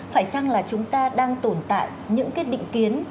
phải chăng là chúng ta đang tồn tại những cái định kiến